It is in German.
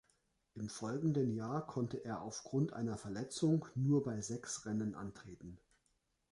Im folgenden Jahr konnte er aufgrund einer Verletzung nur bei sechs Rennen antreten.